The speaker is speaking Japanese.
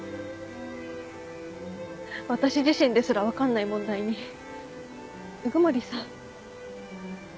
私自身ですら分かんない問題に鵜久森さん。